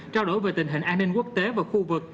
trao đổi về tình hình an ninh quốc tế và khu vực